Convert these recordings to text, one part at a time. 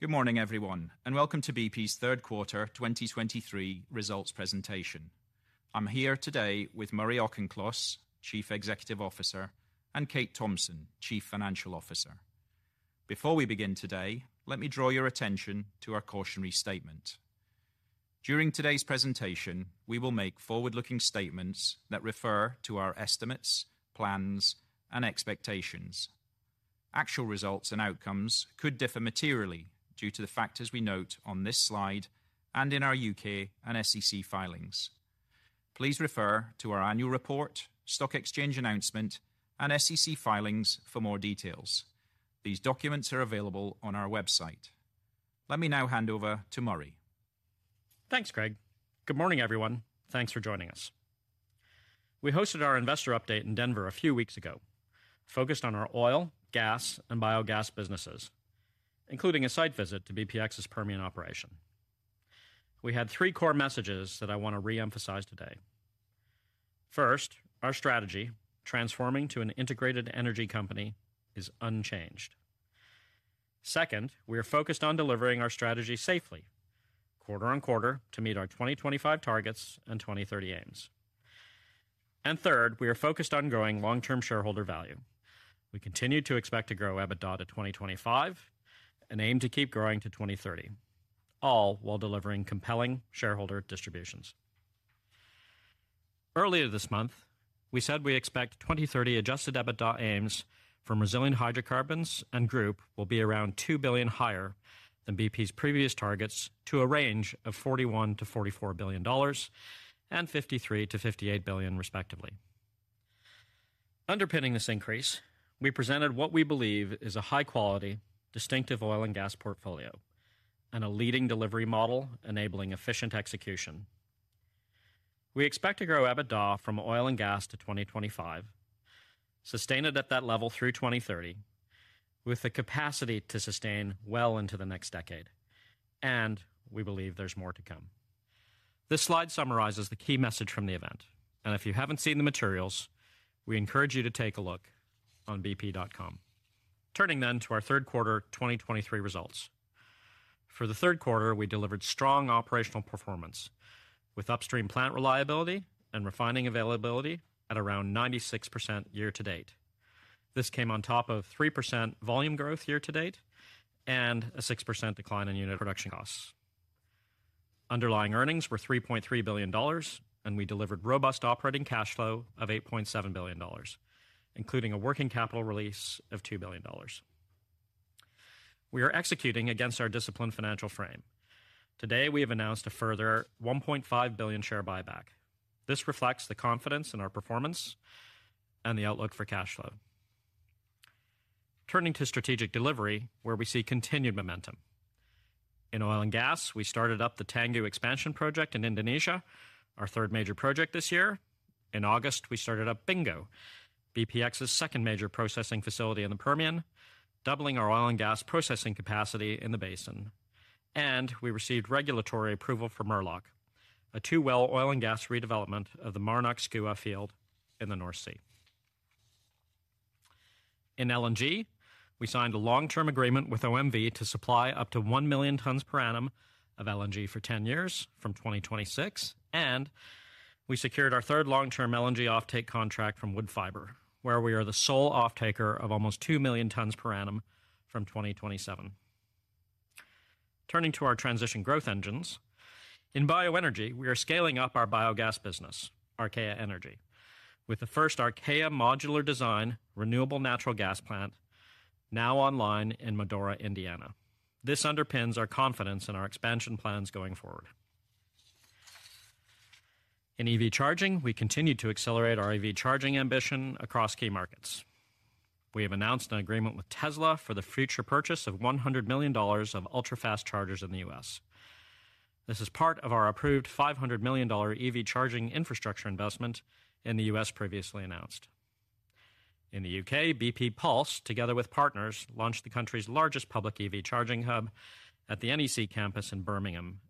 Good morning, everyone, and welcome to BP's third quarter 2023 results presentation. I'm here today with Murray Auchincloss, Chief Executive Officer, and Kate Thomson, Chief Financial Officer. Before we begin today, let me draw your attention to our cautionary statement. During today's presentation, we will make forward-looking statements that refer to our estimates, plans, and expectations. Actual results and outcomes could differ materially due to the factors we note on this slide and in our UK and SEC filings. Please refer to our annual report, stock exchange announcement, and SEC filings for more details. These documents are available on our website. Let me now hand over to Murray. Thanks, Craig. Good morning, everyone. Thanks for joining us. We hosted our investor update in Denver a few weeks ago, focused on our oil, gas, and biogas businesses, including a site visit to BPX's Permian operation. We had three core messages that I want to re-emphasize today. First, our strategy, transforming to an integrated energy company, is unchanged. Second, we are focused on delivering our strategy safely, quarter-over-quarter, to meet our 2025 targets and 2030 aims. And third, we are focused on growing long-term shareholder value. We continue to expect to grow EBITDA to 2025 and aim to keep growing to 2030, all while delivering compelling shareholder distributions. Earlier this month, we said we expect 2030 adjusted EBITDA aims from Resilient Hydrocarbons and Group will be around $2 billion higher than BP's previous targets to a range of $41 billion-$44 billion and $53 billion-$58 billion, respectively. Underpinning this increase, we presented what we believe is a high-quality, distinctive oil and gas portfolio and a leading delivery model enabling efficient execution. We expect to grow EBITDA from oil and gas to 2025, sustain it at that level through 2030, with the capacity to sustain well into the next decade, and we believe there's more to come. This slide summarizes the key message from the event, and if you haven't seen the materials, we encourage you to take a look on bp.com. Turning then to our third quarter 2023 results. For the third quarter, we delivered strong operational performance, with upstream plant reliability and refining availability at around 96% year to date. This came on top of 3% volume growth year to date and a 6% decline in unit production costs. Underlying earnings were $3.3 billion, and we delivered robust operating cash flow of $8.7 billion, including a working capital release of $2 billion. We are executing against our disciplined financial frame. Today, we have announced a further $1.5 billion share buyback. This reflects the confidence in our performance and the outlook for cash flow. Turning to strategic delivery, where we see continued momentum. In oil and gas, we started up the Tangguh expansion project in Indonesia, our third major project this year. In August, we started up Bingo, BPX's second major processing facility in the Permian, doubling our oil and gas processing capacity in the basin. We received regulatory approval for Murlach, a two-well oil and gas redevelopment of the Marnock/Skua field in the North Sea. In LNG, we signed a long-term agreement with OMV to supply up to 1 million tons per annum of LNG for 10 years from 2026, and we secured our third long-term LNG offtake contract from Woodfibre, where we are the sole offtaker of almost 2 million tons per annum from 2027. Turning to our transition growth engines. In bioenergy, we are scaling up our biogas business, Archaea Energy, with the first Archaea modular design, renewable natural gas plant now online in Medora, Indiana. This underpins our confidence in our expansion plans going forward. In EV charging, we continue to accelerate our EV charging ambition across key markets. We have announced an agreement with Tesla for the future purchase of $100 million of ultra-fast chargers in the U.S. This is part of our approved $500 million EV charging infrastructure investment in the U.S., previously announced. In the U.K., BP Pulse, together with partners, launched the country's largest public EV charging hub at the NEC campus in Birmingham,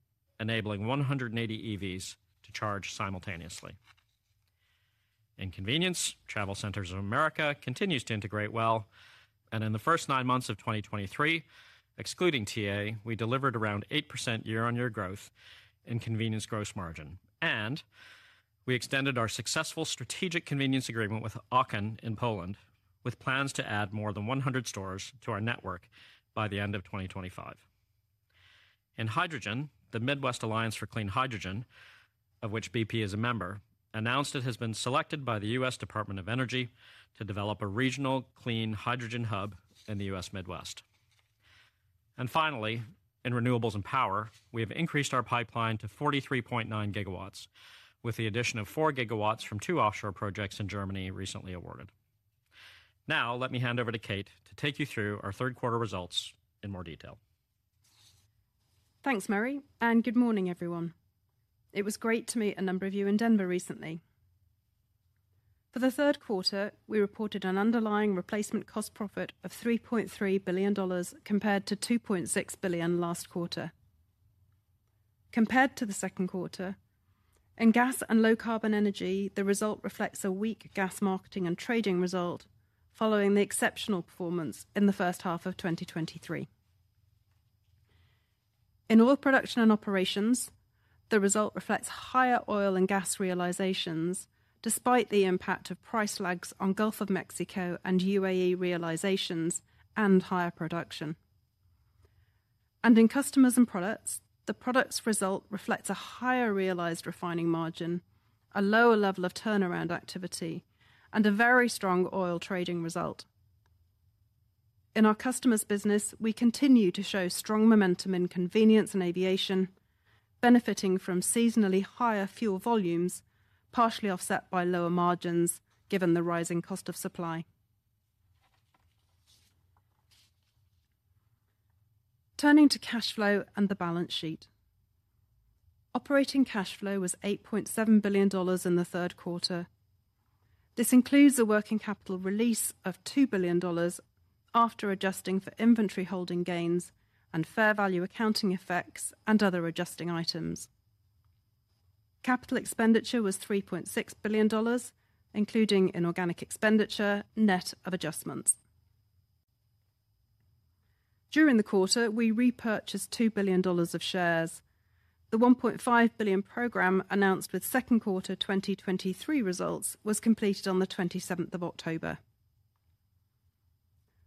enabling 180 EVs to charge simultaneously. In convenience, TravelCenters of America continues to integrate well, and in the first 9 months of 2023, excluding TA, we delivered around 8% year-on-year growth in convenience gross margin, and we extended our successful strategic convenience agreement with Auchan in Poland, with plans to add more than 100 stores to our network by the end of 2025. In hydrogen, the Midwest Alliance for Clean Hydrogen, of which BP is a member, announced it has been selected by the U.S. Department of Energy to develop a regional clean hydrogen hub in the U.S. Midwest. Finally, in renewables and power, we have increased our pipeline to 43.9 gigawatts, with the addition of four gigawatts from two offshore projects in Germany, recently awarded. Now, let me hand over to Kate to take you through our third quarter results in more detail. Thanks, Murray, and good morning, everyone. It was great to meet a number of you in Denver recently. For the third quarter, we reported an underlying replacement cost profit of $3.3 billion compared to $2.6 billion last quarter.... compared to the second quarter, in gas and low carbon energy, the result reflects a weak gas marketing and trading result following the exceptional performance in the first half of 2023. In oil production and operations, the result reflects higher oil and gas realizations, despite the impact of price lags on Gulf of Mexico and UAE realizations and higher production. And in customers and products, the product's result reflects a higher realized refining margin, a lower level of turnaround activity, and a very strong oil trading result. In our customer's business, we continue to show strong momentum in convenience and aviation, benefiting from seasonally higher fuel volumes, partially offset by lower margins, given the rising cost of supply. Turning to cash flow and the balance sheet. Operating cash flow was $8.7 billion in the third quarter. This includes a working capital release of $2 billion after adjusting for inventory holding gains and fair value accounting effects and other adjusting items. Capital expenditure was $3.6 billion, including inorganic expenditure, net of adjustments. During the quarter, we repurchased $2 billion of shares. The $1.5 billion program announced with second quarter 2023 results was completed on the twenty-seventh of October.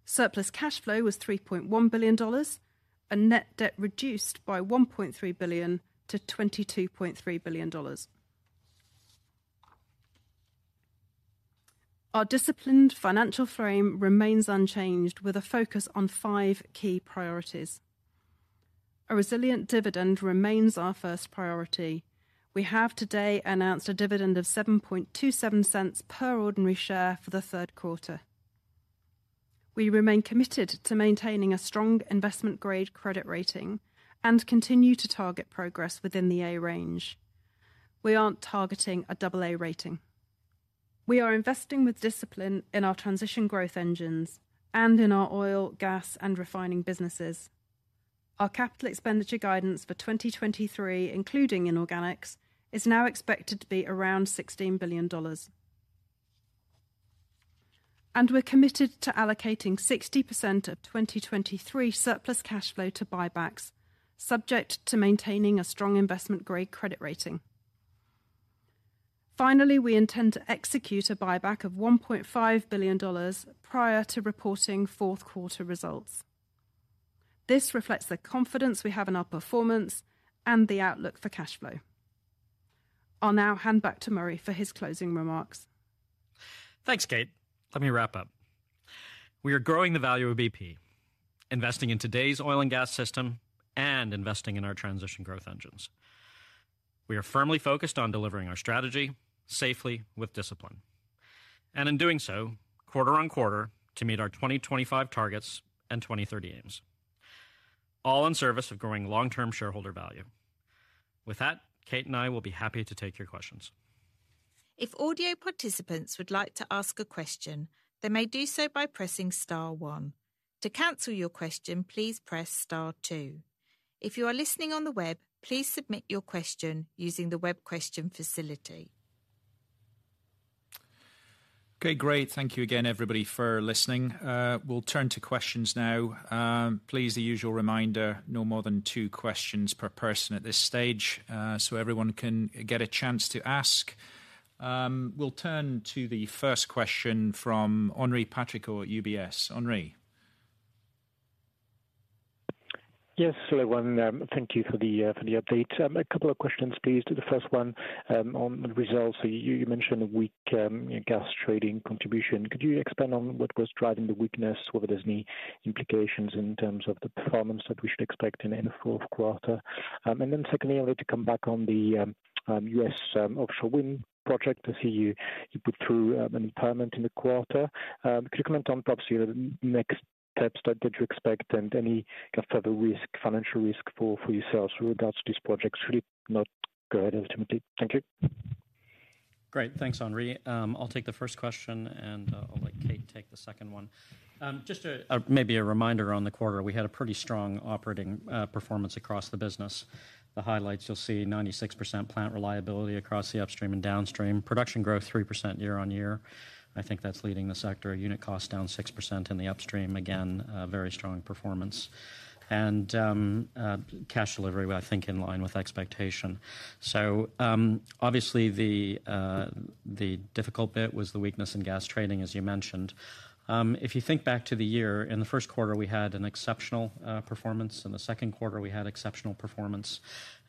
Surplus cash flow was $3.1 billion, and net debt reduced by $1.3 billion to $22.3 billion. Our disciplined financial frame remains unchanged, with a focus on five key priorities. A resilient dividend remains our first priority. We have today announced a dividend of $0.0727 per ordinary share for the third quarter. We remain committed to maintaining a strong investment-grade credit rating and continue to target progress within the A range. We aren't targeting a double A rating. We are investing with discipline in our transition growth engines and in our oil, gas, and refining businesses. Our capital expenditure guidance for 2023, including inorganics, is now expected to be around $16 billion. We're committed to allocating 60% of 2023 surplus cash flow to buybacks, subject to maintaining a strong investment-grade credit rating. Finally, we intend to execute a buyback of $1.5 billion prior to reporting fourth quarter results. This reflects the confidence we have in our performance and the outlook for cash flow. I'll now hand back to Murray for his closing remarks. Thanks, Kate. Let me wrap up. We are growing the value of BP, investing in today's oil and gas system and investing in our transition growth engines. We are firmly focused on delivering our strategy safely with discipline, and in doing so, quarter-on-quarter, to meet our 2025 targets and 2030 aims, all in service of growing long-term shareholder value. With that, Kate and I will be happy to take your questions. If audio participants would like to ask a question, they may do so by pressing star one. To cancel your question, please press star two. If you are listening on the web, please submit your question using the web question facility. Okay, great. Thank you again, everybody, for listening. We'll turn to questions now. Please, the usual reminder, no more than two questions per person at this stage, so everyone can get a chance to ask. We'll turn to the first question from Henri Patricot at UBS. Henri? Yes, hello, everyone. Thank you for the update. A couple of questions, please. To the first one, on the results. So you mentioned a weak gas trading contribution. Could you expand on what was driving the weakness, whether there's any implications in terms of the performance that we should expect in the fourth quarter? And then secondly, I'd like to come back on the US offshore wind project. I see you put through an impairment in the quarter. Could you comment on perhaps the next steps that you expect and any kind of further risk, financial risk for yourselves with regards to this project, should it not go ahead ultimately? Thank you. Great. Thanks, Henri. I'll take the first question, and I'll let Kate take the second one. Just a maybe a reminder on the quarter, we had a pretty strong operating performance across the business. The highlights, you'll see 96% plant reliability across the upstream and downstream. Production growth, 3% year-on-year. I think that's leading the sector. Unit cost down 6% in the upstream. Again, a very strong performance. And cash delivery, I think, in line with expectation. So, obviously the difficult bit was the weakness in gas trading, as you mentioned. If you think back to the year, in the first quarter, we had an exceptional performance, in the second quarter, we had exceptional performance,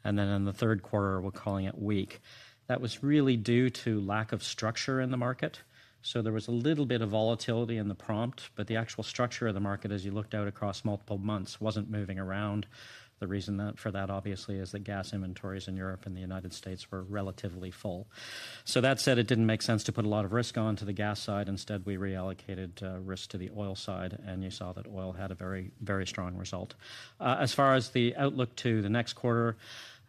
and then in the third quarter, we're calling it weak. That was really due to lack of structure in the market. So there was a little bit of volatility in the prompt, but the actual structure of the market, as you looked out across multiple months, wasn't moving around. The reason that for that, obviously, is that gas inventories in Europe and the United States were relatively full. So that said, it didn't make sense to put a lot of risk onto the gas side. Instead, we reallocated risk to the oil side, and you saw that oil had a very, very strong result. As far as the outlook to the next quarter,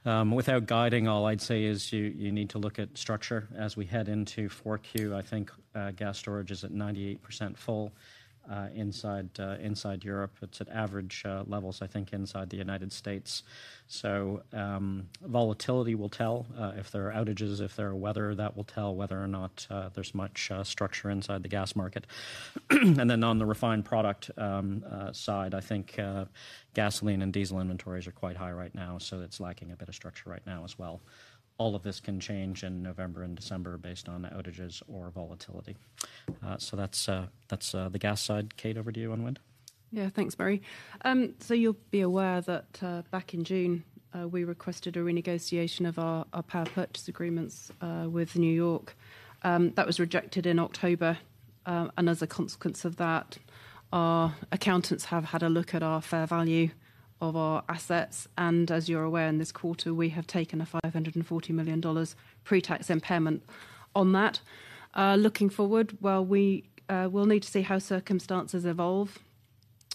without guiding, all I'd say is you need to look at structure. As we head into Q4, I think gas storage is at 98% full inside Europe. It's at average levels, I think, inside the United States. So, volatility will tell if there are outages, if there are weather, that will tell whether or not there's much structure inside the gas market. And then on the refined product side, I think, gasoline and diesel inventories are quite high right now, so it's lacking a bit of structure right now as well. All of this can change in November and December based on outages or volatility. So that's the gas side. Kate, over to you on wind. Yeah. Thanks, Murray. So you'll be aware that back in June, we requested a renegotiation of our power purchase agreements with New York. That was rejected in October, and as a consequence of that, our accountants have had a look at our fair value of our assets, and as you're aware, in this quarter, we have taken a $540 million pre-tax impairment on that. Looking forward, well, we will need to see how circumstances evolve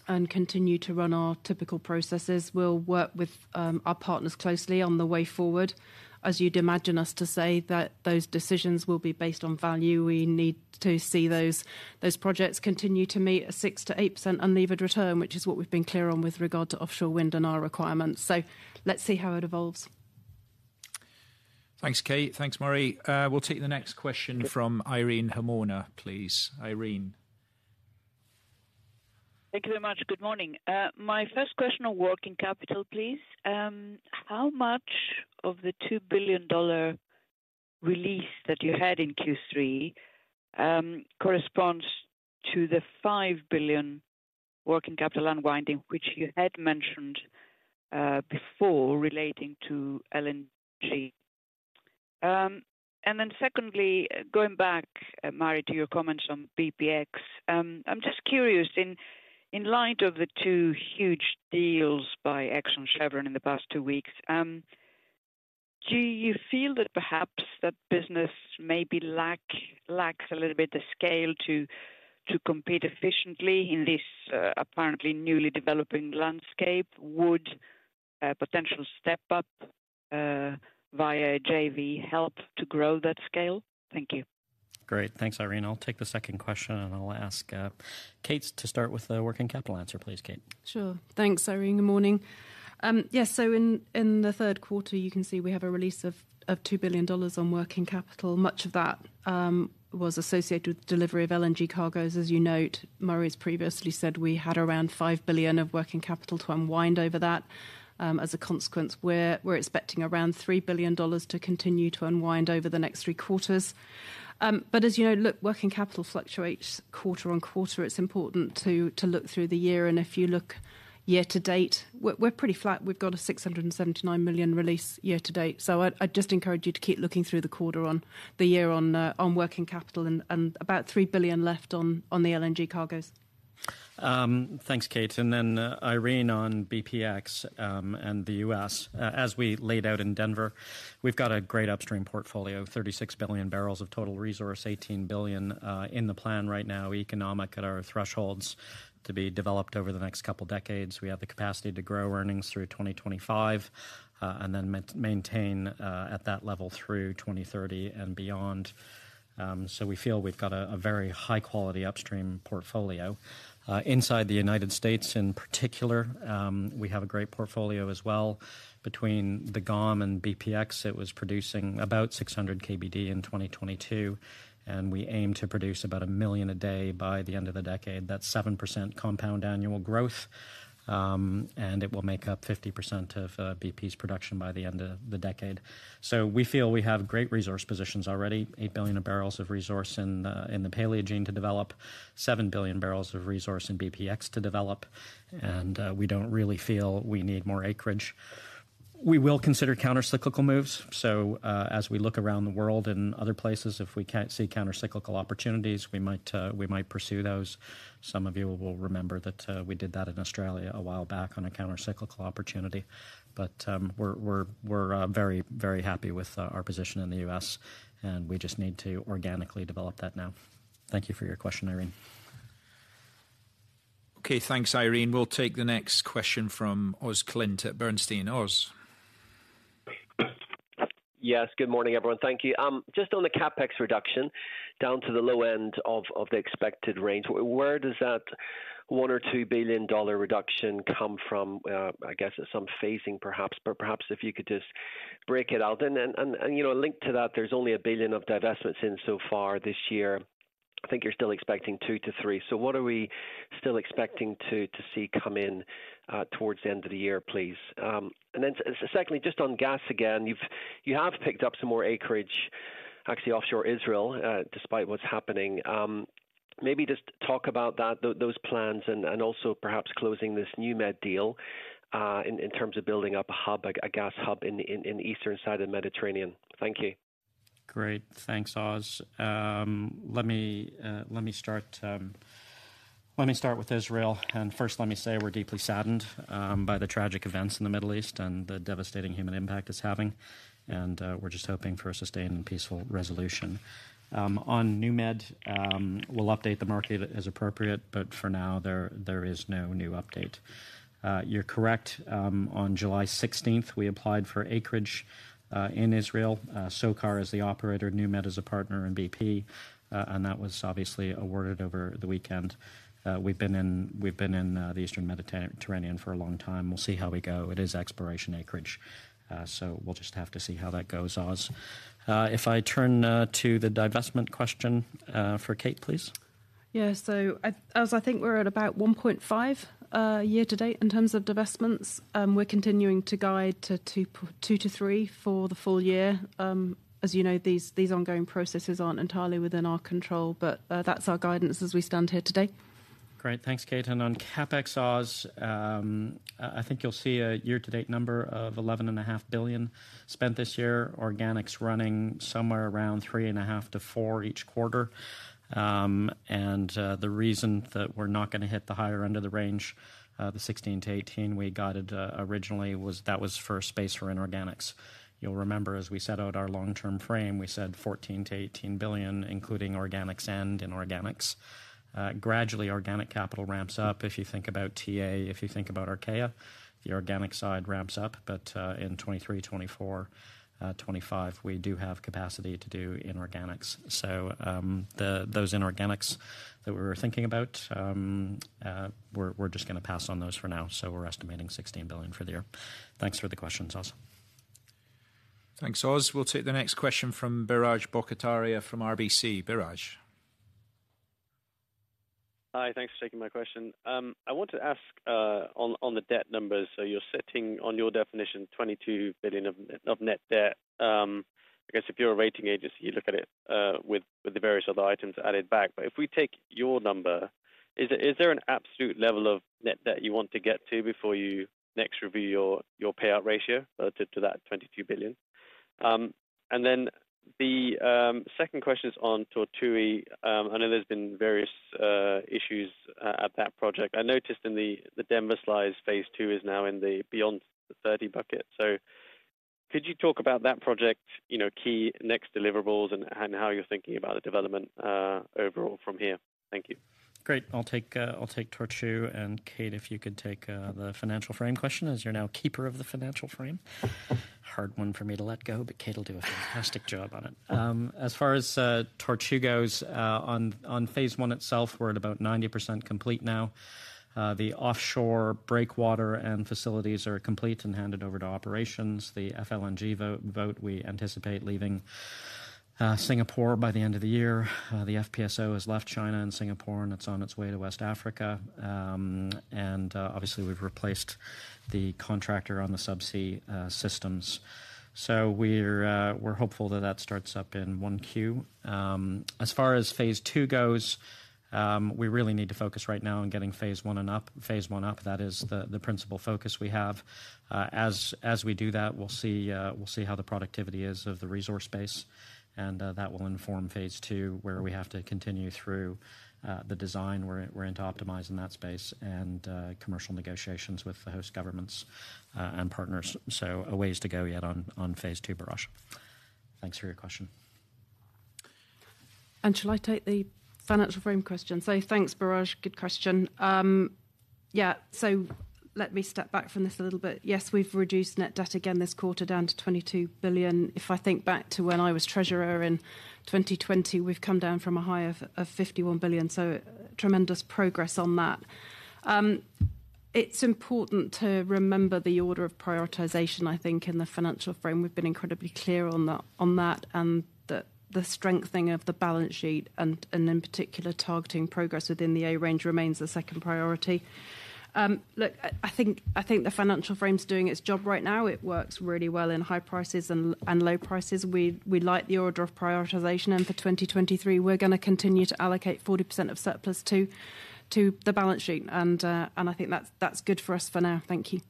and continue to run our typical processes. We'll work with our partners closely on the way forward. As you'd imagine us to say, that those decisions will be based on value. We need to see those projects continue to meet a 6%-8% unlevered return, which is what we've been clear on with regard to offshore wind and our requirements. Let's see how it evolves. Thanks, Kate. Thanks, Murray. We'll take the next question from Irene Himona, please. Irene? Thank you very much. Good morning. My first question on working capital, please. How much of the $2 billion release that you had in Q3 corresponds to the $5 billion working capital unwinding, which you had mentioned before, relating to LNG? And then secondly, going back, Murray, to your comments on BPX, I'm just curious, in light of the two huge deals by Exxon Chevron in the past two weeks, do you feel that perhaps that business maybe lacks a little bit the scale to compete efficiently in this apparently newly developing landscape? Would a potential step up via JV help to grow that scale? Thank you. Great. Thanks, Irene. I'll take the second question, and I'll ask Kate to start with the working capital answer, please, Kate. Sure. Thanks, Irene. Good morning. Yes, so in the third quarter, you can see we have a release of $2 billion on working capital. Much of that was associated with delivery of LNG cargoes. As you note, Murray's previously said we had around $5 billion of working capital to unwind over that. As a consequence, we're expecting around $3 billion to continue to unwind over the next three quarters. But as you know, look, working capital fluctuates quarter on quarter. It's important to look through the year, and if you look year to date, we're pretty flat. We've got a $679 million release year to date. So I'd just encourage you to keep looking through the quarter on the year on working capital and about $3 billion left on the LNG cargoes. Thanks, Kate. And then, Irene, on BPX and the US, as we laid out in Denver, we've got a great upstream portfolio, 36 billion barrels of total resource, 18 billion in the plan right now, economic at our thresholds to be developed over the next couple decades. We have the capacity to grow earnings through 2025, and then maintain at that level through 2030 and beyond. So we feel we've got a very high-quality upstream portfolio. Inside the United States, in particular, we have a great portfolio as well. Between the GOM and BPX, it was producing about 600 KBD in 2022, and we aim to produce about 1 million a day by the end of the decade. That's 7% compound annual growth, and it will make up 50% of BP's production by the end of the decade. So we feel we have great resource positions already, 8 billion barrels of resource in the Paleogene to develop, 7 billion barrels of resource in BPX to develop, and we don't really feel we need more acreage. We will consider countercyclical moves, so as we look around the world and other places, if we can see countercyclical opportunities, we might pursue those. Some of you will remember that we did that in Australia a while back on a countercyclical opportunity. But we're very, very happy with our position in the U.S., and we just need to organically develop that now. Thank you for your question, Irene. Okay, thanks, Irene. We'll take the next question from Oswald Clint at Bernstein. Oz? Yes, good morning, everyone. Thank you. Just on the CapEx reduction, down to the low end of the expected range, where does that $1-$2 billion reduction come from? I guess at some phasing, perhaps, but perhaps if you could just break it out. And then, you know, linked to that, there's only $1 billion of divestments in so far this year. I think you're still expecting 2-3. So what are we still expecting to see come in towards the end of the year, please? And then secondly, just on gas again, you have picked up some more acreage, actually offshore Israel, despite what's happening. Maybe just talk about that, those plans, and also perhaps closing this NewMed deal, in terms of building up a hub, a gas hub, in the eastern side of the Mediterranean. Thank you. Great. Thanks, Oz. Let me start with Israel. And first, let me say we're deeply saddened by the tragic events in the Middle East and the devastating human impact it's having, and we're just hoping for a sustained and peaceful resolution. On NewMed, we'll update the market as appropriate, but for now, there is no new update. You're correct, on July 16th, we applied for acreage in Israel. SOCAR is the operator, NewMed is a partner in BP, and that was obviously awarded over the weekend. We've been in the Eastern Mediterranean for a long time. We'll see how we go. It is exploration acreage, so we'll just have to see how that goes, Oz. If I turn to the divestment question for Kate, please. Yeah, so Oz, I think we're at about $1.5 year to date in terms of divestments. We're continuing to guide to $2-$3 for the full year. As you know, these ongoing processes aren't entirely within our control, but that's our guidance as we stand here today.... Great, thanks, Kate. And on CapEx, Oz, I think you'll see a year-to-date number of $11.5 billion spent this year, organics running somewhere around $3.5-$4 billion each quarter. The reason that we're not gonna hit the higher end of the range, the $16-$18, we guided originally, was that was for space for inorganics. You'll remember, as we set out our long-term frame, we said $14-$18 billion, including organics and inorganics. Gradually, organic capital ramps up. If you think about TA, if you think about Archaea, the organic side ramps up. But in 2023, 2024, 2025, we do have capacity to do inorganics. So, those inorganics that we were thinking about, we're just gonna pass on those for now, so we're estimating $16 billion for the year. Thanks for the question, Oz. Thanks, Oz. We'll take the next question from Biraj Borkhataria from RBC. Biraj? Hi, thanks for taking my question. I want to ask on the debt numbers. So you're sitting on your definition, $22 billion of net debt. I guess if you're a rating agency, you look at it with the various other items added back. But if we take your number, is there an absolute level of net debt you want to get to before you next review your payout ratio related to that $22 billion? And then the second question is on Tortue. I know there's been various issues at that project. I noticed in the Denver slides, phase II is now in the beyond the 30 bucket. So could you talk about that project, you know, key next deliverables and how you're thinking about the development overall from here? Thank you. Great. I'll take Tortue, and Kate, if you could take the financial frame question, as you're now keeper of the financial frame. Hard one for me to let go, but Kate will do a fantastic job on it. As far as Tortue goes, on phase I itself, we're at about 90% complete now. The offshore breakwater and facilities are complete and handed over to operations. The FLNG vessel we anticipate leaving Singapore by the end of the year. The FPSO has left China and Singapore, and it's on its way to West Africa. And obviously, we've replaced the contractor on the subsea systems. So we're hopeful that that starts up in Q1. As far as phase II goes, we really need to focus right now on getting phase I up. That is the principal focus we have. As we do that, we'll see how the productivity is of the resource base, and that will inform phase II, where we have to continue through the design. We're into optimize in that space and commercial negotiations with the host governments and partners. So a ways to go yet on phase II, Biraj. Thanks for your question. Shall I take the financial frame question? So thanks, Biraj. Good question. Yeah, so let me step back from this a little bit. Yes, we've reduced net debt again this quarter down to $22 billion. If I think back to when I was treasurer in 2020, we've come down from a high of $51 billion, so tremendous progress on that. It's important to remember the order of prioritization, I think, in the financial frame. We've been incredibly clear on that, and the strengthening of the balance sheet and, in particular, targeting progress within the A range remains the second priority. Look, I think the financial frame is doing its job right now. It works really well in high prices and low prices. We like the order of prioritization, and for 2023, we're gonna continue to allocate 40% of surplus to the balance sheet. And I think that's good for us for now. Thank you.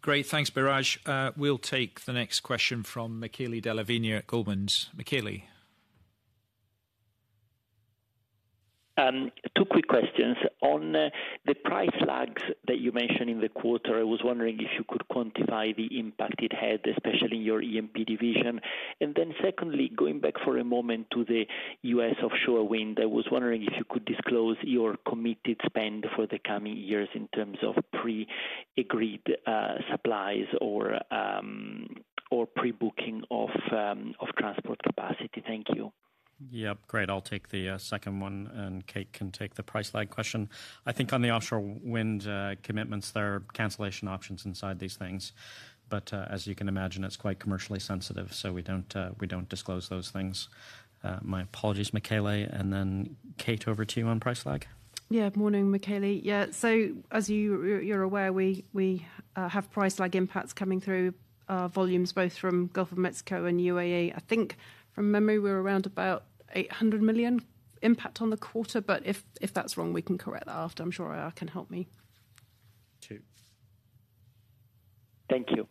Great. Thanks, Biraj. We'll take the next question from Michele Della Vigna at Goldman's. Michele? Two quick questions. On the price lags that you mentioned in the quarter, I was wondering if you could quantify the impact it had, especially in your EMP division. And then secondly, going back for a moment to the U.S. offshore wind, I was wondering if you could disclose your committed spend for the coming years in terms of pre-agreed supplies or, or pre-booking of, of transport capacity. Thank you. Yep, great. I'll take the second one, and Kate can take the price lag question. I think on the offshore wind commitments, there are cancellation options inside these things, but as you can imagine, it's quite commercially sensitive, so we don't disclose those things. My apologies, Michele. And then, Kate, over to you on price lag. Yeah. Morning, Michele. Yeah, so as you're aware, we have price lag impacts coming through, volumes both from Gulf of Mexico and UAE. I think from memory, we're around about $800 million impact on the quarter, but if that's wrong, we can correct that after. I'm sure Aya can help me. Two. Thank you.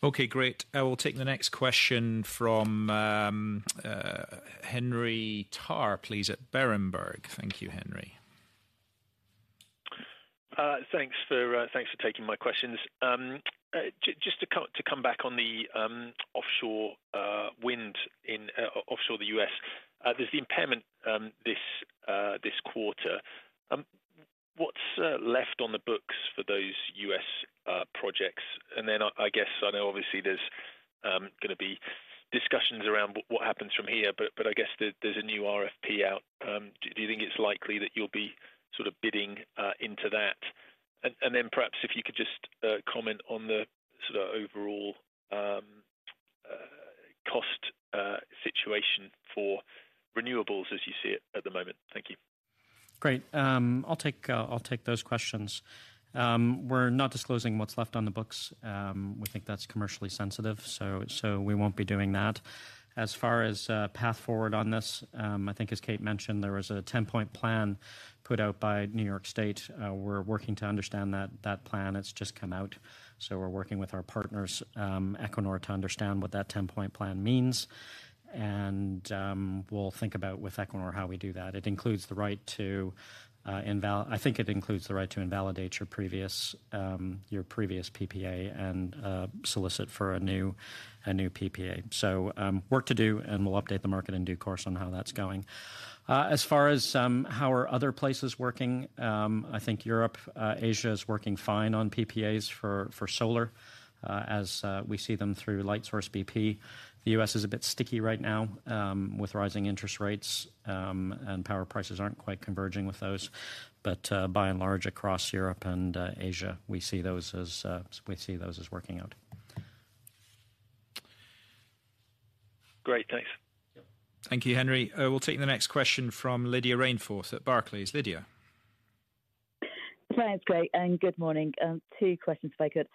Okay, great. I will take the next question from Henry Tarr, please, at Berenberg. Thank you, Henry. Thanks for taking my questions. Just to come back on the offshore wind in offshore the US, there's the impairment this quarter. What's left on the books for those US projects? And then I guess... I know obviously there's gonna be discussions around what happens from here, but I guess there's a new RFP out. Do you think it's likely that you'll be sort of bidding into that? And then perhaps if you could just comment on the sort of overall cost situation for renewables as you see it at the moment. Thank you.... Great. I'll take those questions. We're not disclosing what's left on the books. We think that's commercially sensitive, so we won't be doing that. As far as path forward on this, I think, as Kate mentioned, there was a ten-point plan put out by New York State. We're working to understand that plan. It's just come out, so we're working with our partners, Equinor, to understand what that ten-point plan means. We'll think about, with Equinor, how we do that. It includes the right to invalidate your previous PPA and solicit for a new PPA. So, work to do, and we'll update the market in due course on how that's going. As far as how are other places working, I think Europe, Asia is working fine on PPAs for solar, as we see them through Lightsource BP. The U.S. is a bit sticky right now, with rising interest rates, and power prices aren't quite converging with those. But, by and large, across Europe and Asia, we see those as working out. Great, thanks. Thank you, Henry. We'll take the next question from Lydia Rainforth at Barclays. Lydia? Thanks, great, and good morning. Two questions, if I could.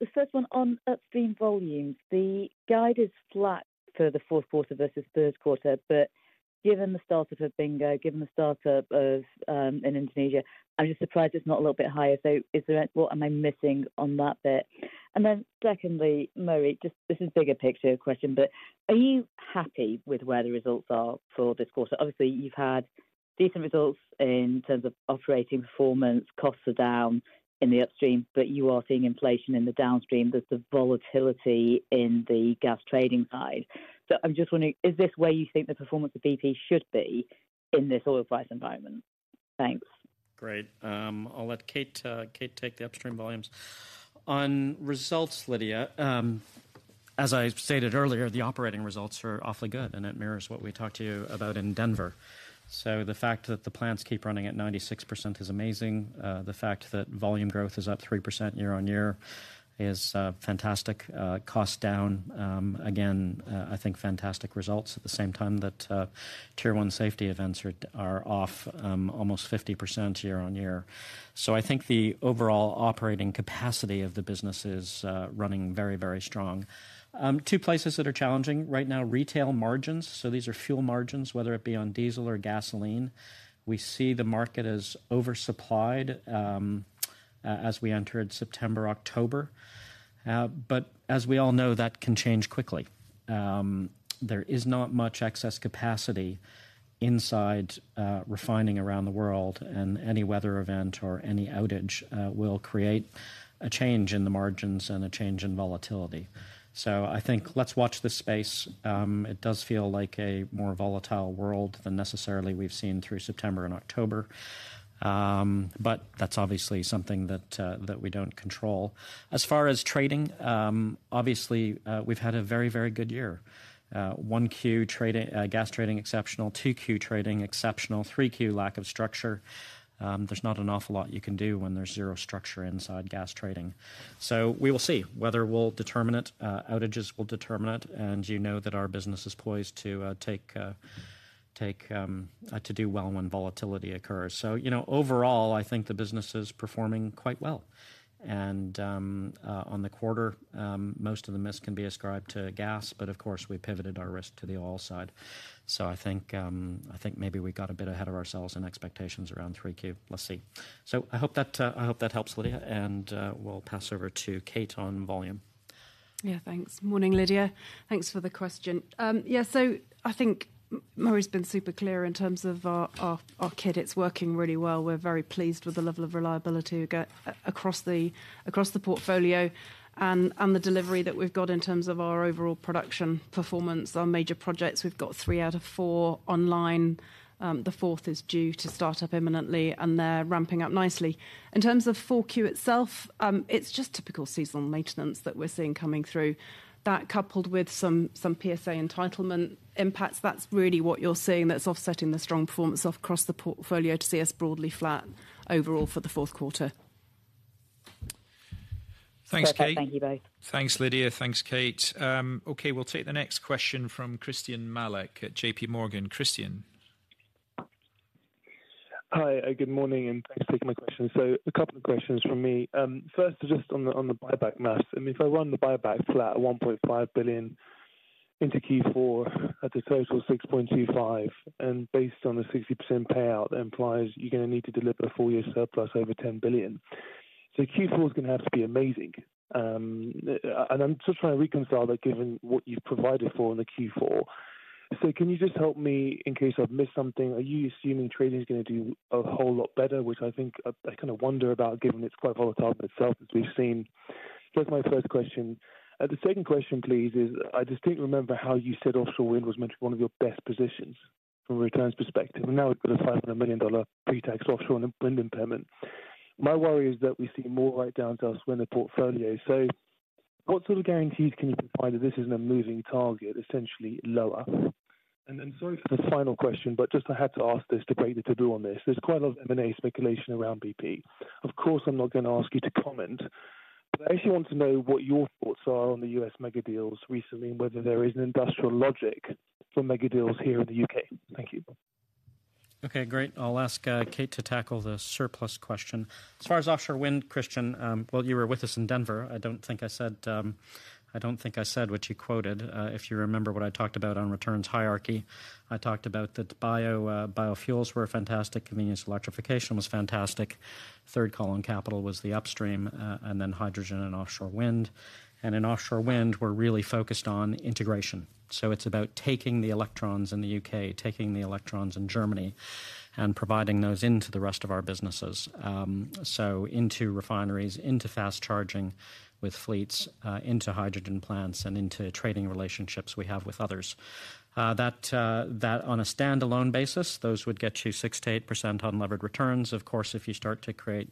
The first one on upstream volumes. The guide is flat for the fourth quarter versus first quarter, but given the start up of Bingo, given the start up of in Indonesia, I'm just surprised it's not a little bit higher. So, is there, what am I missing on that bit? And then secondly, Murray, just, this is bigger picture question, but are you happy with where the results are for this quarter? Obviously, you've had decent results in terms of operating performance. Costs are down in the upstream, but you are seeing inflation in the downstream. There's the volatility in the gas trading side. So I'm just wondering, is this where you think the performance of BP should be in this oil price environment? Thanks. Great. I'll let Kate take the upstream volumes. On results, Lydia, as I stated earlier, the operating results are awfully good, and it mirrors what we talked to you about in Denver. So the fact that the plants keep running at 96% is amazing. The fact that volume growth is up 3% year-on-year is fantastic. Cost down, again, I think fantastic results. At the same time that Tier One safety events are off almost 50% year-on-year. So I think the overall operating capacity of the business is running very, very strong. Two places that are challenging right now, retail margins, so these are fuel margins, whether it be on diesel or gasoline. We see the market as oversupplied as we entered September, October. But as we all know, that can change quickly. There is not much excess capacity inside refining around the world, and any weather event or any outage will create a change in the margins and a change in volatility. So I think let's watch this space. It does feel like a more volatile world than necessarily we've seen through September and October. But that's obviously something that we don't control. As far as trading, obviously, we've had a very, very good year. 1Q trading, gas trading, exceptional, 2Q trading, exceptional, 3Q, lack of structure. There's not an awful lot you can do when there's zero structure inside gas trading. So we will see. Weather will determine it, outages will determine it, and you know that our business is poised to take to do well when volatility occurs. So, you know, overall, I think the business is performing quite well. And, on the quarter, most of the miss can be ascribed to gas, but of course, we pivoted our risk to the oil side. So I think maybe we got a bit ahead of ourselves in expectations around three Q. Let's see. So I hope that helps, Lydia, and we'll pass over to Kate on volume. Yeah, thanks. Morning, Lydia. Thanks for the question. Yeah, so I think Murray's been super clear in terms of our IOC to IEC. It's working really well. We're very pleased with the level of reliability we get across the portfolio and the delivery that we've got in terms of our overall production performance. Our major projects, we've got three out of four online. The fourth is due to start up imminently, and they're ramping up nicely. In terms of Q4 itself, it's just typical seasonal maintenance that we're seeing coming through. That, coupled with some PSA entitlement impacts, that's really what you're seeing that's offsetting the strong performance across the portfolio to see us broadly flat overall for the fourth quarter. Thanks, Kate. Perfect, thank you both. Thanks, Lydia. Thanks, Kate. Okay, we'll take the next question from Christian Malek at JP Morgan. Christian? Hi, good morning, and thanks for taking my question. So a couple of questions from me. First, just on the buyback math. I mean, if I run the buyback flat at $1.5 billion into Q4 at a total of $6.25 billion, and based on the 60% payout, that implies you're gonna need to deliver a full year surplus over $10 billion. So Q4 is gonna have to be amazing. And I'm just trying to reconcile that, given what you've provided for in the Q4. So can you just help me, in case I've missed something, are you assuming trading is gonna do a whole lot better? Which I think, I kind of wonder about, given it's quite volatile itself, as we've seen. That's my first question. The second question, please, is I distinctly remember how you said offshore wind was meant to be one of your best positions from a returns perspective, and now we've got a $500 million pre-tax offshore wind impairment. My worry is that we see more write-downs in our wind portfolio. So what sort of guarantees can you provide that this isn't a moving target, essentially lower? And then sorry for the final question, but just I had to ask this, to break the taboo on this. There's quite a lot of M&A speculation around BP. Of course, I'm not gonna ask you to comment. But I actually want to know what your thoughts are on the U.S. megadeals recently, and whether there is an industrial logic for megadeals here in the U.K. Thank you. Okay, great. I'll ask Kate to tackle the surplus question. As far as offshore wind, Christian, well, you were with us in Denver. I don't think I said what you quoted. If you remember what I talked about on returns hierarchy, I talked about that biofuels were fantastic, convenience electrification was fantastic. Third column capital was the upstream, and then hydrogen and offshore wind. And in offshore wind, we're really focused on integration. So it's about taking the electrons in the U.K., taking the electrons in Germany, and providing those into the rest of our businesses. So into refineries, into fast charging with fleets, into hydrogen plants and into trading relationships we have with others. That on a standalone basis, those would get you 6%-8% on levered returns. Of course, if you start to create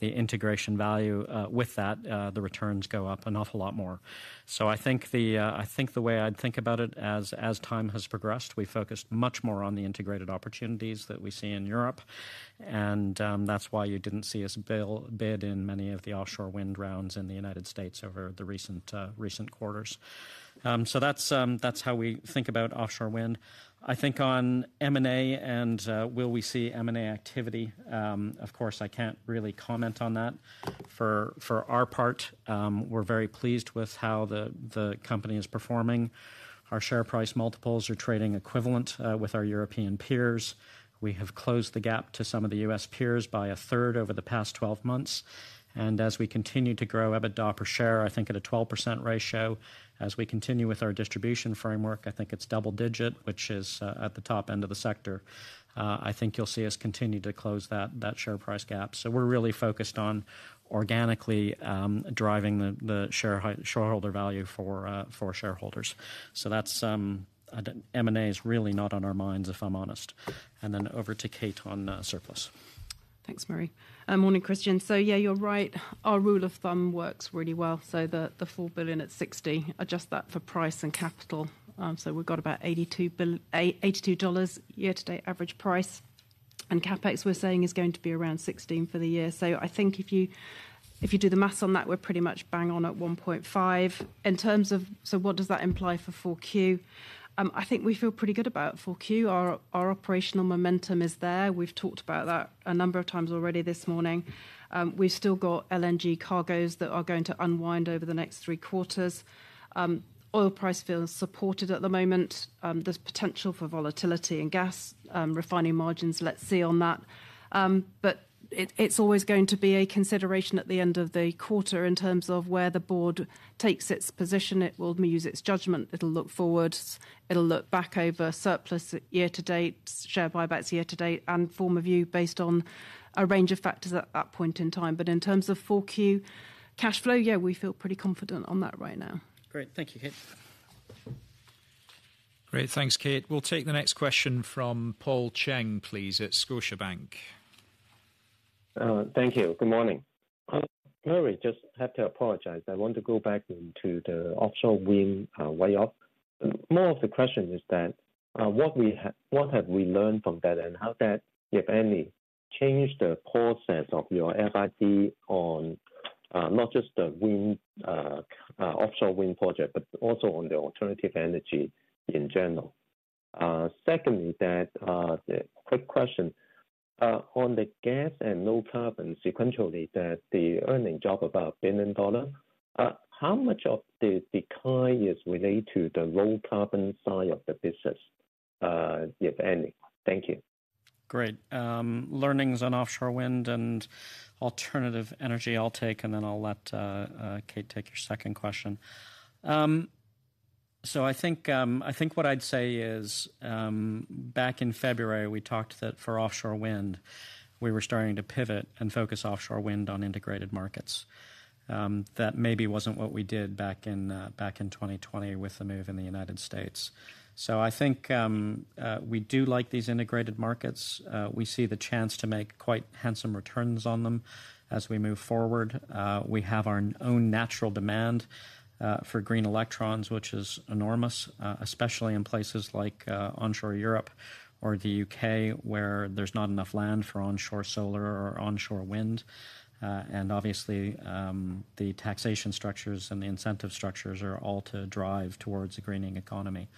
the integration value with that, the returns go up an awful lot more. So I think, I think the way I'd think about it as time has progressed, we've focused much more on the integrated opportunities that we see in Europe, and that's why you didn't see us bid in many of the offshore wind rounds in the United States over the recent quarters. So that's how we think about offshore wind. I think on M&A and will we see M&A activity? Of course, I can't really comment on that. For our part, we're very pleased with how the company is performing. Our share price multiples are trading equivalent with our European peers. We have closed the gap to some of the U.S. peers by a third over the past 12 months, and as we continue to grow EBITDA per share, I think at a 12% ratio, as we continue with our distribution framework, I think it's double-digit, which is at the top end of the sector. I think you'll see us continue to close that share price gap. So we're really focused on organically driving the shareholder value for shareholders. So that's, I don't... M&A is really not on our minds, if I'm honest. And then over to Kate on surplus. Thanks, Murray. Morning, Christian. So yeah, you're right. Our rule of thumb works really well, so the $4 billion at $60, adjust that for price and capital. So we've got about $82 year-to-date average price, and CapEx, we're saying, is going to be around $16 billion for the year. So I think if you, if you do the math on that, we're pretty much bang on at $1.5 billion. In terms of, so what does that imply for 4Q? I think we feel pretty good about 4Q. Our operational momentum is there. We've talked about that a number of times already this morning. We've still got LNG cargoes that are going to unwind over the next three quarters. Oil price feels supported at the moment. There's potential for volatility in gas, refining margins, let's see on that. But it, it's always going to be a consideration at the end of the quarter in terms of where the board takes its position. It will use its judgment, it'll look forward, it'll look back over surplus year to date, share buybacks year to date, and form a view based on a range of factors at that point in time. But in terms of four Q cash flow, yeah, we feel pretty confident on that right now. Great. Thank you, Kate. Great. Thanks, Kate. We'll take the next question from Paul Cheng, please, at Scotiabank. Thank you. Good morning. Murray, just have to apologize. I want to go back into the offshore wind, way off. More of the question is that, what we have—what have we learned from that, and how that, if any, changed the process of your FID on, not just the wind, offshore wind project, but also on the alternative energy in general? Secondly, the quick question, on the gas and low carbon sequentially, that the earnings drop about $1 billion, how much of the decline is related to the low carbon side of the business, if any? Thank you. Great. Learnings on offshore wind and alternative energy, I'll take, and then I'll let Kate take your second question. So I think what I'd say is, back in February, we talked that for offshore wind, we were starting to pivot and focus offshore wind on integrated markets. That maybe wasn't what we did back in 2020 with the move in the United States. So I think we do like these integrated markets. We see the chance to make quite handsome returns on them as we move forward. We have our own natural demand for green electrons, which is enormous, especially in places like onshore Europe or the UK, where there's not enough land for onshore solar or onshore wind. And obviously, the taxation structures and the incentive structures are all to drive towards a greening economy.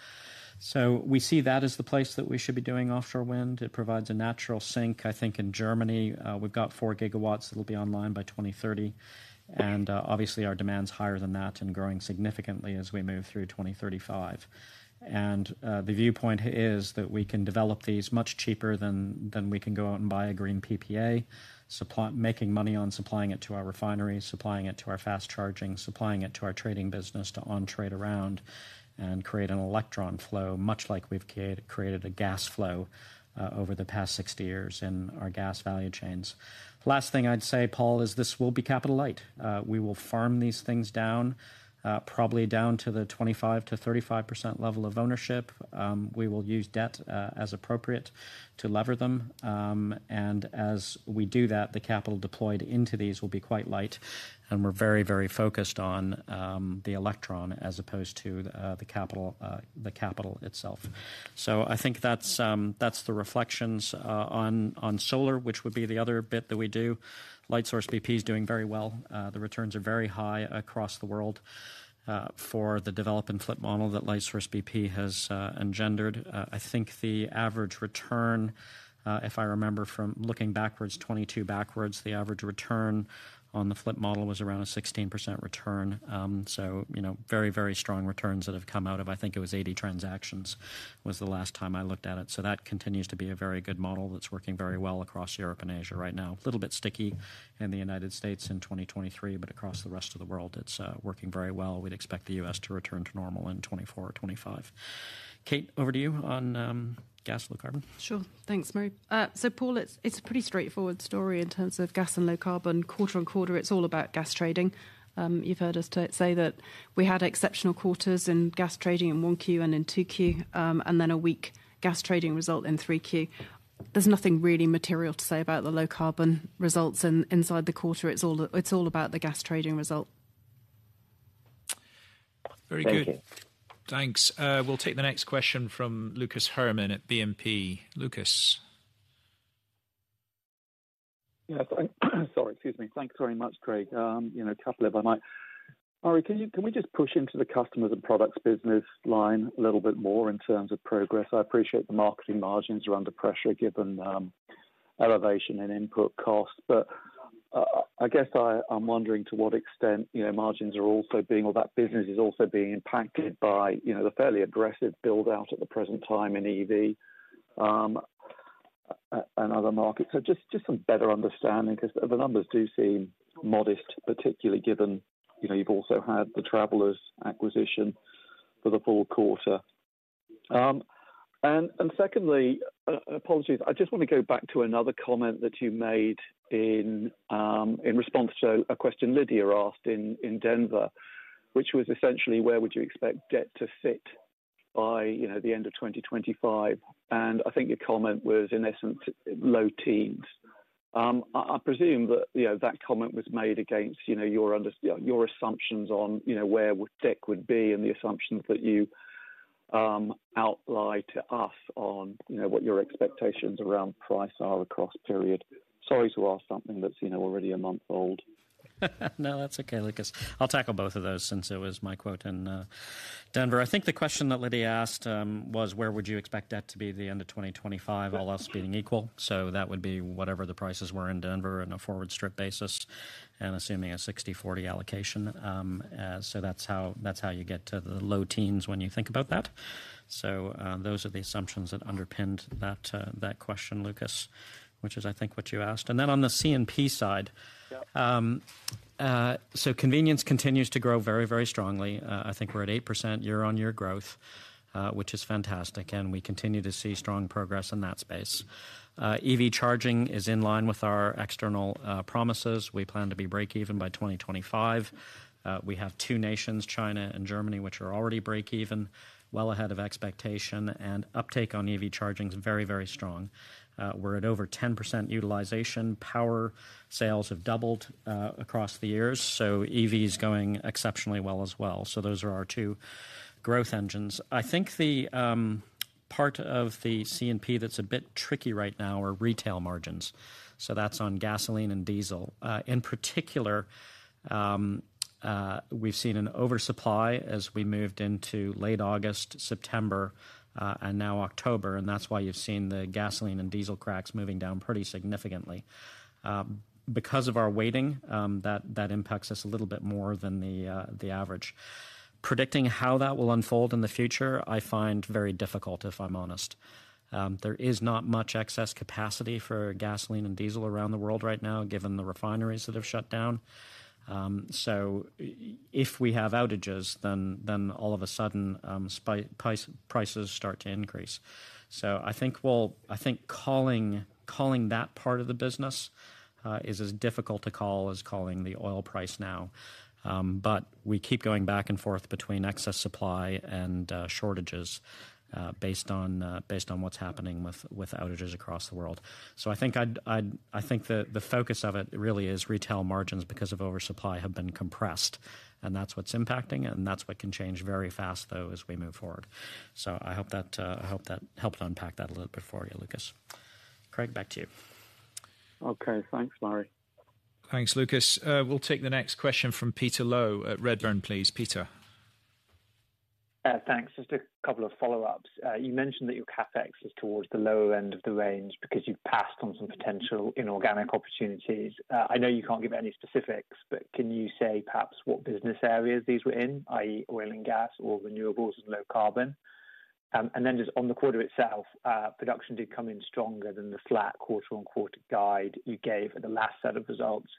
So we see that as the place that we should be doing offshore wind. It provides a natural sink. I think in Germany, we've got 4 gigawatts that will be online by 2030, and, obviously, our demand's higher than that and growing significantly as we move through 2035. And, the viewpoint is that we can develop these much cheaper than, than we can go out and buy a green PPA, supply-- making money on supplying it to our refineries, supplying it to our fast charging, supplying it to our trading business to on trade around and create an electron flow, much like we've created a gas flow, over the past 60 years in our gas value chains. Last thing I'd say, Paul, is this will be capital light. We will farm these things down, probably down to the 25%-35% level of ownership. We will use debt, as appropriate to lever them. And as we do that, the capital deployed into these will be quite light, and we're very, very focused on, the electron as opposed to the, the capital, the capital itself. So I think that's, that's the reflections, on, on solar, which would be the other bit that we do. Lightsource BP is doing very well. The returns are very high across the world, for the develop and flip model that Lightsource BP has, engendered. I think the average return, if I remember from looking backwards, 2022 backwards, the average return on the flip model was around a 16% return. So you know, very, very strong returns that have come out of I think it was 80 transactions, was the last time I looked at it. So that continues to be a very good model that's working very well across Europe and Asia right now. A little bit sticky in the United States in 2023, but across the rest of the world, it's working very well. We'd expect the US to return to normal in 2024 or 2025. Kate, over to you on, gas, low carbon. Sure. Thanks, Murray. So Paul, it's a pretty straightforward story in terms of gas and low carbon. Quarter on quarter, it's all about gas trading. You've heard us say that we had exceptional quarters in gas trading in 1Q and in 2Q, and then a weak gas trading result in 3Q. There's nothing really material to say about the low carbon results inside the quarter. It's all about the gas trading result. Very good. Thank you. Thanks. We'll take the next question from Lucas Herrmann at BNP. Lucas? Yes, thank you, sorry. Excuse me. Thanks very much, Craig. You know, a couple if I might. Murray, can we just push into the customers and products business line a little bit more in terms of progress? I appreciate the marketing margins are under pressure, given elevation in input costs, but I guess I'm wondering to what extent, you know, margins are also being... or that business is also being impacted by, you know, the fairly aggressive build-out at the present time in EV and other markets. So just some better understanding, because the numbers do seem modest, particularly given, you know, you've also had the TravelCenters acquisition for the full quarter. And secondly, apologies, I just want to go back to another comment that you made in response to a question Lydia asked in Denver, which was essentially where would you expect debt to sit by, you know, the end of 2025? And I think your comment was, in essence, low teens. I presume that, you know, that comment was made against, you know, your underlying assumptions on, you know, where debt would be, and the assumptions that you laid out to us on, you know, what your expectations around price are across period. Sorry to ask something that's, you know, already a month old. No, that's okay, Lucas. I'll tackle both of those, since it was my quote in Denver. I think the question that Lydia asked was where would you expect that to be at the end of 2025, all else being equal? So that would be whatever the prices were in Denver in a forward strip basis and assuming a 60/40 allocation. So that's how, that's how you get to the low teens when you think about that. So those are the assumptions that underpinned that question, Lucas, which is, I think, what you asked. And then on the C&P side- Yep. So convenience continues to grow very, very strongly. I think we're at 8% year-on-year growth, which is fantastic, and we continue to see strong progress in that space. EV charging is in line with our external promises. We plan to be break even by 2025. We have two nations, China and Germany, which are already break even, well ahead of expectation, and uptake on EV charging is very, very strong. We're at over 10% utilization. Power sales have doubled across the years, so EV is going exceptionally well as well. So those are our two growth engines. I think the part of the C&P that's a bit tricky right now are retail margins, so that's on gasoline and diesel. In particular, we've seen an oversupply as we moved into late August, September, and now October, and that's why you've seen the gasoline and diesel cracks moving down pretty significantly. Because of our weighting, that impacts us a little bit more than the average. Predicting how that will unfold in the future, I find very difficult, if I'm honest. There is not much excess capacity for gasoline and diesel around the world right now, given the refineries that have shut down. So if we have outages, then all of a sudden, prices start to increase. So I think calling that part of the business is as difficult to call as calling the oil price now. But we keep going back and forth between excess supply and shortages, based on what's happening with outages across the world. So I think the focus of it really is retail margins, because of oversupply, have been compressed, and that's what's impacting it, and that's what can change very fast, though, as we move forward. So I hope that helped unpack that a little bit for you, Lucas. Craig, back to you. Okay. Thanks, Murray. Thanks, Lucas. We'll take the next question from Peter Low at Redburn, please. Peter? Thanks. Just a couple of follow-ups. You mentioned that your CapEx is towards the lower end of the range because you've passed on some potential inorganic opportunities. I know you can't give any specifics, but can you say perhaps what business areas these were in, i.e., oil and gas or renewables and low carbon? And then just on the quarter itself, production did come in stronger than the flat quarter-on-quarter guide you gave at the last set of results.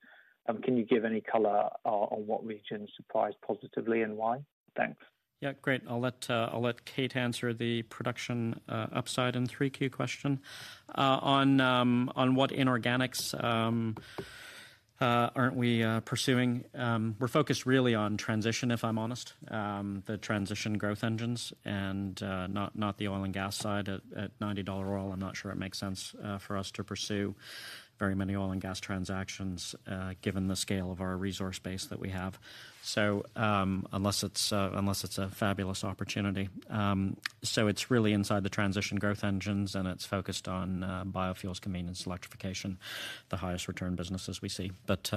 Can you give any color on what regions surprised positively and why? Thanks. Yeah, great. I'll let Kate answer the production upside and 3Q question. On what inorganics aren't we pursuing, we're focused really on transition, if I'm honest. The transition growth engines, and not the oil and gas side. At $90 oil, I'm not sure it makes sense for us to pursue very many oil and gas transactions, given the scale of our resource base that we have. So, unless it's a fabulous opportunity. So it's really inside the transition growth engines, and it's focused on biofuels, convenience, electrification, the highest return businesses we see. But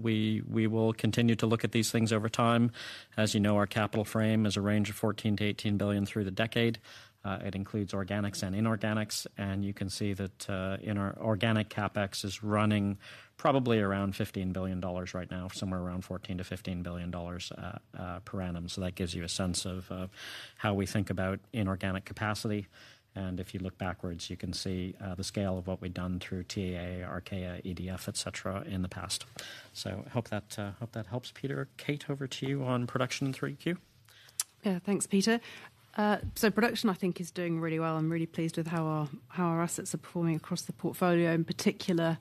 we will continue to look at these things over time. As you know, our capital frame is a range of $14 billion-$18 billion through the decade. It includes organics and inorganics, and you can see that in our organic CapEx is running probably around $15 billion right now, somewhere around $14 billion-$15 billion per annum. So that gives you a sense of, of how we think about inorganic capacity. And if you look backwards, you can see the scale of what we've done through TAA, Archaea, EDF, et cetera, in the past. So hope that hope that helps, Peter. Kate, over to you on production in 3Q. Yeah, thanks, Peter. So production, I think, is doing really well. I'm really pleased with how our assets are performing across the portfolio. In particular,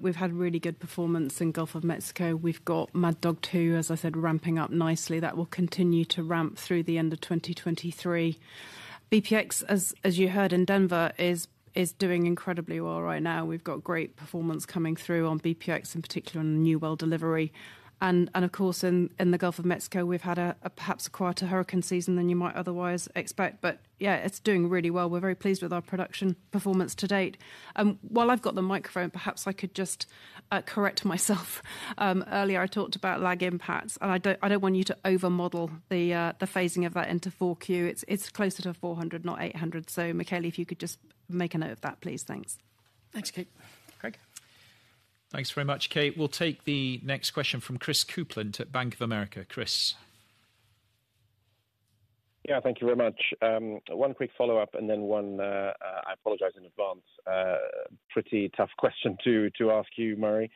we've had really good performance in Gulf of Mexico. We've got Mad Dog 2, as I said, ramping up nicely. That will continue to ramp through the end of 2023. BPX, as you heard in Denver, is doing incredibly well right now. We've got great performance coming through on BPX, in particular on the new well delivery. And of course, in the Gulf of Mexico, we've had a perhaps quieter hurricane season than you might otherwise expect, but yeah, it's doing really well. We're very pleased with our production performance to date. While I've got the microphone, perhaps I could just correct myself. Earlier, I talked about lag impacts, and I don't want you to over-model the phasing of that into 4Q. It's closer to $400, not $800. So Michele, if you could just make a note of that, please. Thanks. Thanks, Kate. Craig? Thanks very much, Kate. We'll take the next question from Chris Kuplent at Bank of America. Chris? Yeah, thank you very much. One quick follow-up, and then one, I apologize in advance, pretty tough question to ask you, Murray.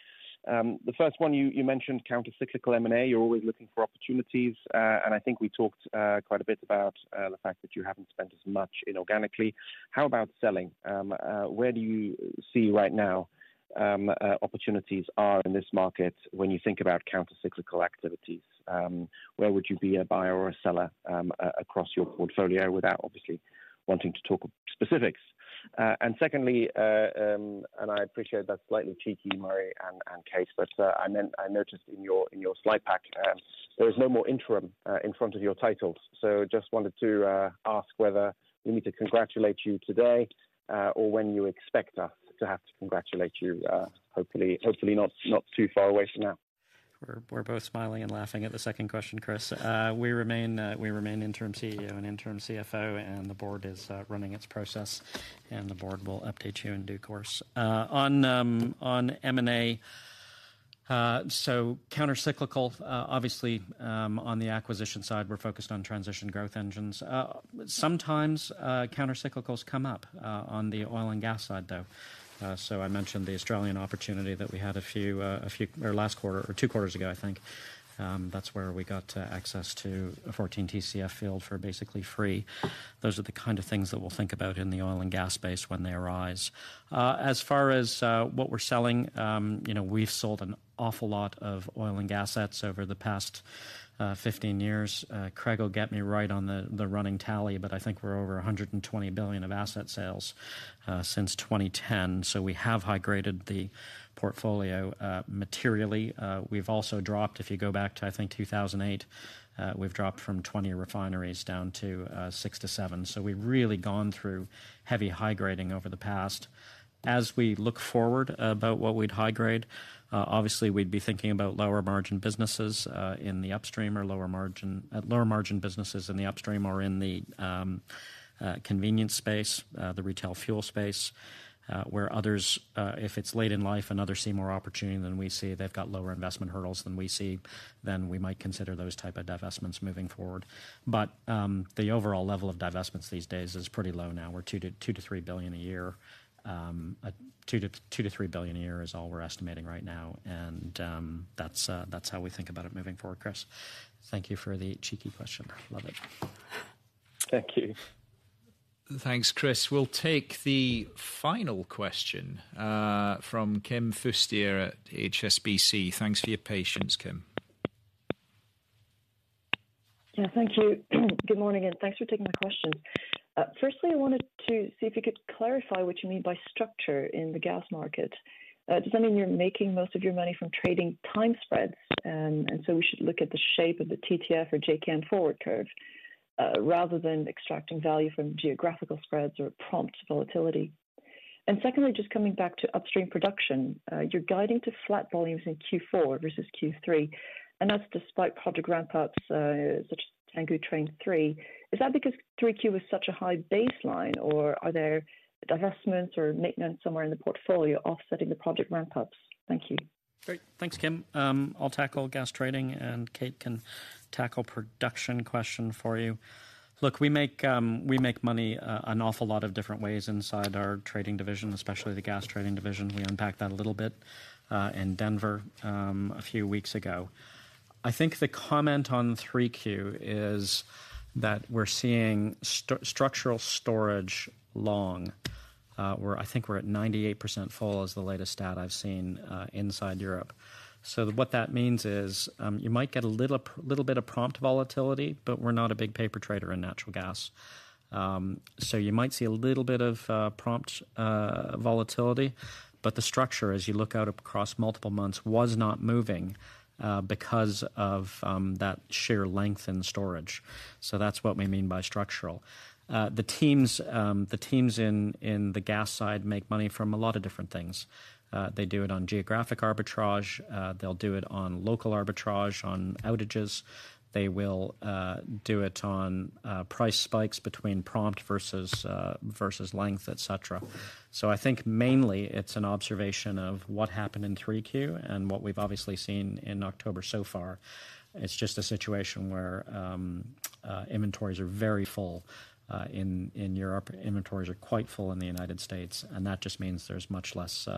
The first one, you mentioned countercyclical M&A. You're always looking for opportunities, and I think we talked quite a bit about the fact that you haven't spent as much inorganically. How about selling? Where do you see right now opportunities are in this market when you think about countercyclical activities? Where would you be a buyer or a seller across your portfolio, without obviously wanting to talk specifics? And secondly, and I appreciate that's slightly cheeky, Murray and Kate, but I noticed in your slide pack, there was no more interim in front of your titles. Just wanted to ask whether we need to congratulate you today, or when you expect us to have to congratulate you, hopefully, hopefully not too far away from now. We're both smiling and laughing at the second question, Chris. We remain interim CEO and interim CFO, and the board is running its process, and the board will update you in due course. On M&A, so countercyclical, obviously, on the acquisition side, we're focused on transition growth engines. Sometimes countercyclicals come up on the oil and gas side, though. So I mentioned the Australian opportunity that we had a few... Or last quarter, or two quarters ago, I think. That's where we got access to a 14 TCF field for basically free. Those are the kind of things that we'll think about in the oil and gas space when they arise. As far as what we're selling, you know, we've sold an awful lot of oil and gas assets over the past 15 years. Craig will get me right on the running tally, but I think we're over $120 billion of asset sales since 2010. So we have high-graded the portfolio materially. We've also dropped, if you go back to, I think, 2008, we've dropped from 20 refineries down to six to seven. So we've really gone through heavy high-grading over the past. As we look forward about what we'd high grade, obviously we'd be thinking about lower margin businesses in the upstream or in the convenience space, the retail fuel space, where others, if it's late in life and others see more opportunity than we see, they've got lower investment hurdles than we see, then we might consider those type of divestments moving forward. But the overall level of divestments these days is pretty low now. We're $2 billion-$3 billion a year. $2 billion-$3 billion a year is all we're estimating right now, and that's how we think about it moving forward, Chris. Thank you for the cheeky question. Love it. Thank you. Thanks, Chris. We'll take the final question from Kim Fustier at HSBC. Thanks for your patience, Kim. Yeah, thank you. Good morning, and thanks for taking the question. Firstly, I wanted to see if you could clarify what you mean by structure in the gas market. Does that mean you're making most of your money from trading time spreads, and so we should look at the shape of the TTF or JKM forward curve, rather than extracting value from geographical spreads or prompt volatility? And secondly, just coming back to upstream production, you're guiding to flat volumes in Q4 versus Q3, and that's despite project ramp-ups, such as Tangguh Train 3. Is that because 3Q was such a high baseline, or are there divestments or maintenance somewhere in the portfolio offsetting the project ramp-ups? Thank you. Great. Thanks, Kim. I'll tackle gas trading, and Kate can tackle production question for you. Look, we make, we make money an awful lot of different ways inside our trading division, especially the gas trading division. We unpacked that a little bit in Denver a few weeks ago. I think the comment on 3Q is that we're seeing structural storage long. We're, I think we're at 98% full, is the latest stat I've seen inside Europe. So what that means is, you might get a little, little bit of prompt volatility, but we're not a big paper trader in natural gas. So you might see a little bit of prompt volatility, but the structure, as you look out across multiple months, was not moving because of that sheer length in storage. So that's what we mean by structural. The teams, the teams in, in the gas side make money from a lot of different things. They do it on geographic arbitrage, they'll do it on local arbitrage, on outages. They will do it on, price spikes between prompt versus, versus length, et cetera. So I think mainly it's an observation of what happened in 3Q and what we've obviously seen in October so far. It's just a situation where, inventories are very full, in, in Europe. Inventories are quite full in the United States, and that just means there's much less,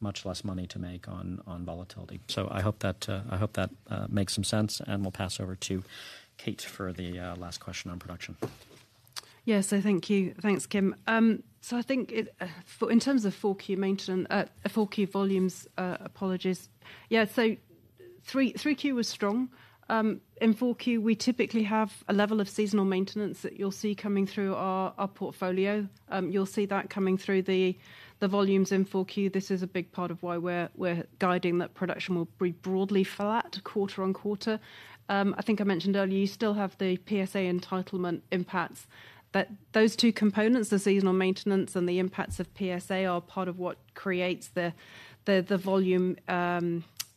much less money to make on, on volatility. So I hope that, I hope that, makes some sense, and we'll pass over to Kate for the, last question on production. Yes, so thank you. Thanks, Kim. So I think it, in terms of 4Q maintenance, 4Q volumes, apologies. Yeah, so 3Q was strong. In 4Q, we typically have a level of seasonal maintenance that you'll see coming through our portfolio. You'll see that coming through the volumes in 4Q. This is a big part of why we're guiding that production will be broadly flat quarter-over-quarter. I think I mentioned earlier, you still have the PSA entitlement impacts. But those two components, the seasonal maintenance and the impacts of PSA, are part of what creates the volume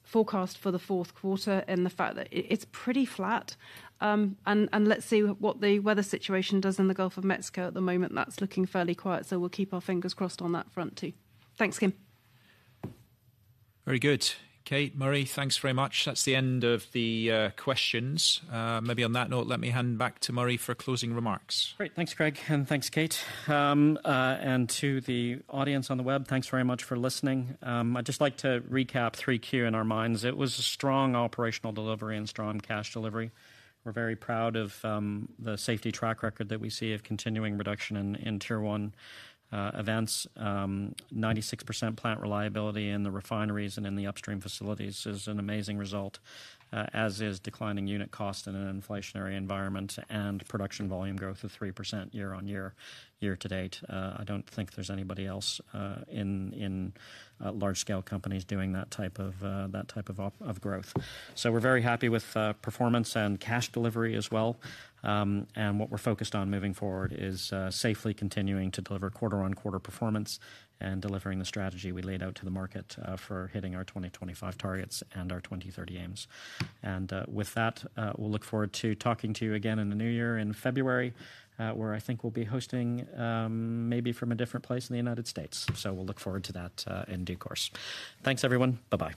forecast for the fourth quarter and the fact that it's pretty flat. And let's see what the weather situation does in the Gulf of Mexico. At the moment, that's looking fairly quiet, so we'll keep our fingers crossed on that front, too. Thanks, Kim. Very good. Kate, Murray, thanks very much. That's the end of the questions. Maybe on that note, let me hand back to Murray for closing remarks. Great. Thanks, Craig, and thanks, Kate. And to the audience on the web, thanks very much for listening. I'd just like to recap Q3 in our minds. It was a strong operational delivery and strong cash delivery. We're very proud of the safety track record that we see of continuing reduction in Tier 1 events. 96% plant reliability in the refineries and in the upstream facilities is an amazing result, as is declining unit cost in an inflationary environment and production volume growth of 3% year-on-year, year to date. I don't think there's anybody else in large-scale companies doing that type of growth. So we're very happy with performance and cash delivery as well. And what we're focused on moving forward is safely continuing to deliver quarter-on-quarter performance and delivering the strategy we laid out to the market for hitting our 2025 targets and our 2030 aims. With that, we'll look forward to talking to you again in the new year in February, where I think we'll be hosting maybe from a different place in the United States. So we'll look forward to that in due course. Thanks, everyone. Bye-bye.